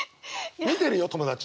見てるよ友達。